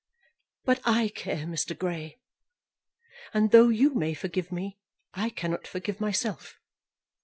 "But I care, Mr. Grey; and though you may forgive me, I cannot forgive myself.